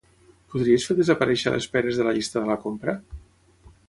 Podries fer desaparèixer les peres de la llista de la compra?